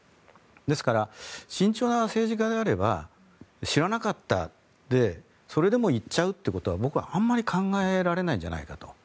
ですから、慎重な政治家であれば知らなかったでそれでも行っちゃうということは僕はあまり考えられないんじゃないかと。